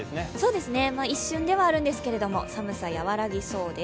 一瞬ではあるんですが寒さ和らぎそうです。